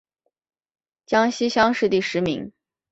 江西乡试第十名。